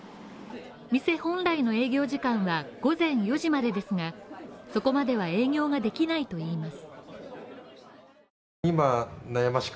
店本来の営業時間は午前４時までですが、そこまでは営業ができないといいます。